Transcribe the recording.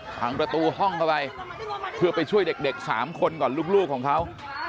พังประตูห้องเข้าไปเพื่อไปช่วยเด็ก๓คนก่อนลูกของเขา